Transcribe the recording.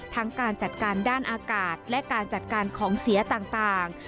การจัดการด้านอากาศและการจัดการของเสียต่าง